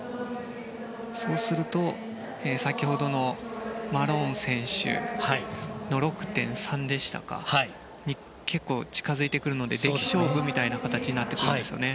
そうすると先ほどのマローン選手の６．３に結構近づいてくるので出来勝負みたいになってくるんですよね。